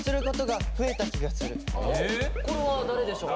これは誰でしょう？